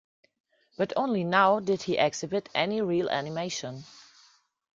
But only now did he exhibit any real animation.